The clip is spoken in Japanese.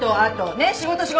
ねっ仕事仕事！